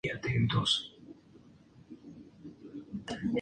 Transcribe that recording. Schumann siguió con un corto Intermezzo como segundo movimiento.